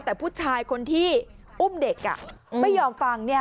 แต่ผู้ชายคนที่อุ้มเด็กอ่ะไม่ยอมฟังเนี่ย